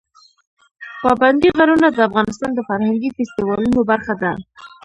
پابندي غرونه د افغانستان د فرهنګي فستیوالونو برخه ده.